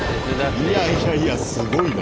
いやいやいやすごいな。